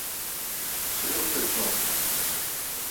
سلُخ تہ چُݨ۔